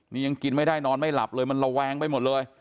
นี่ยังกินไม่ได้นอนไม่หลับเลยมันระแวงไปหมดเลย